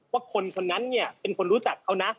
ว่าคนคนนั้นเนี่ยเป็นคนรู้จักเขานะ